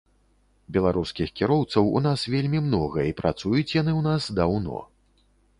Беларускіх кіроўцаў у нас вельмі многа, і працуюць яны ў нас даўно.